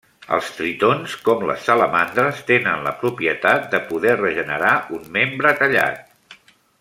Els tritons, com les salamandres, tenen la propietat de poder regenerar un membre tallat.